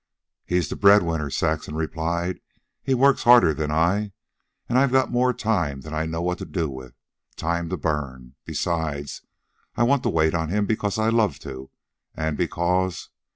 "He's the bread winner," Saxon replied. "He works harder than I, and I've got more time than I know what to do with time to burn. Besides, I want to wait on him because I love to, and because...